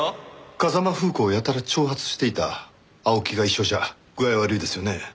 風間楓子をやたら挑発していた青木が一緒じゃ具合悪いですよね。